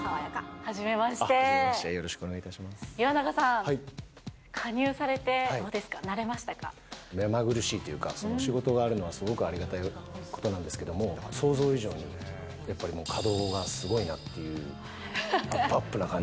はじめまして、よろしくお願岩永さん、加入されてどうで目まぐるしいというか、仕事があるのはすごくありがたいことなんですけれども、想像以上に、やっぱりもう、稼働がすごいなっていう、あっぷあっぷな感じ。